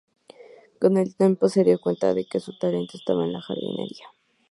Con el tiempo se dio cuenta de que su talento estaba en la jardinería.